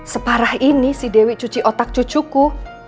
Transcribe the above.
separah ini si dewi cuci otak cucuku